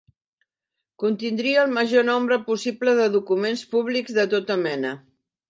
Contindria el major nombre possible de documents públics de tota mena.